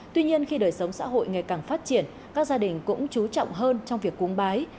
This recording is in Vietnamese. tuy nhiên khi đời sống xã hội ngày càng phát triển các gia đình cũng chú trọng hơn trong việc cúng bái